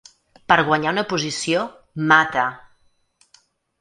Per guanyar una posició, mata!